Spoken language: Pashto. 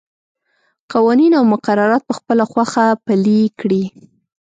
قوانین او مقررات په خپله خوښه پلي کړي.